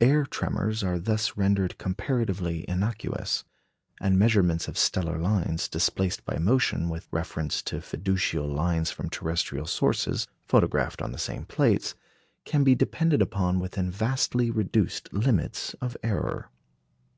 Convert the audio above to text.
Air tremors are thus rendered comparatively innocuous; and measurements of stellar lines displaced by motion with reference to fiducial lines from terrestrial sources, photographed on the same plates, can be depended upon within vastly reduced limits of error.